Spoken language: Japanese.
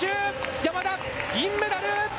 山田、銀メダル！